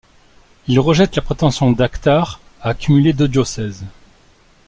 Il rejette la prétention d'Actard à cumuler deux diocèses.